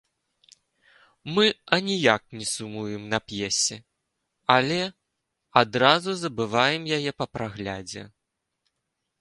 Мы аніяк не сумуем на п'есе, але адразу забываем яе па праглядзе.